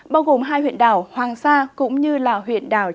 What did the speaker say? bao gồm hai huyện đảo hoàng sa cũng như là huyện đảo